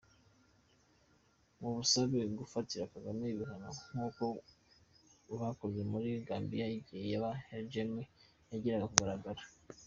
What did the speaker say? Mubasabe gufatira Kagame ibihano nkuko bakoze muri Gambia ighe Yaya Jammeh yigiraga kagaragara.